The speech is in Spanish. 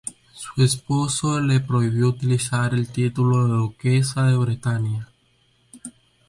Su esposo le prohibió utilizar el título de duquesa de Bretaña.